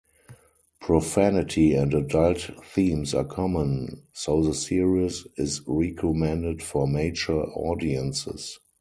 Profanity and adult themes are common, so the series is recommended for mature audiences.